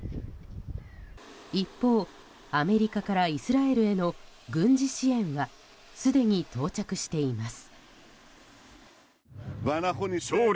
一方、アメリカからイスラエルへの軍事支援はすでに到着しています。